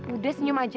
udah senyum aja